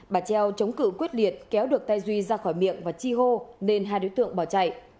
bà treo chống cự quyết liệt kéo được tay duy ra khỏi miệng và chi hô nên hai đối tượng bỏ chạy